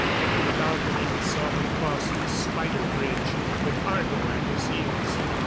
From the balcony we saw him cross the spider bridge, with Argo at his heels.